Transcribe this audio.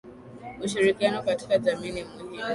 Ushirikiano katika jamii ni muhimu